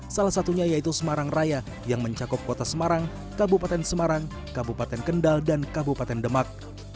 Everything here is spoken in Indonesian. salah satunya yaitu semarang raya yang mencakup kota semarang kabupaten semarang kabupaten kendal dan kabupaten demak